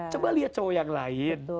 coba lihat cowok yang lain